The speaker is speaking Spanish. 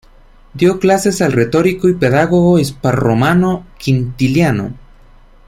Dio clases al retórico y pedagogo hispanorromano Quintiliano.